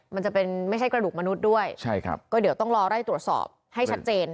มันจะเป็นไม่ใช่กระดูกมนุษย์ด้วยใช่ครับก็เดี๋ยวต้องรอไล่ตรวจสอบให้ชัดเจน